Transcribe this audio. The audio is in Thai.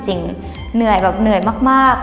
เหนื่อยแบบเหนื่อยมาก